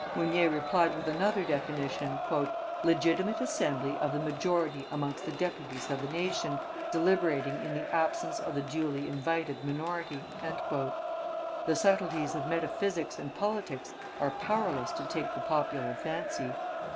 Mounier replied with another definition "legitimate assembly of the majority amongst the deputies of the nation, deliberating in the absence of the duly invited minority." The subtleties of metaphysics and politics are powerless to take the popular fancy.